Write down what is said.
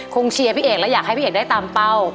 เชียร์พี่เอกและอยากให้พี่เอกได้ตามเป้า